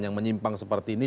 yang menyimpang seperti ini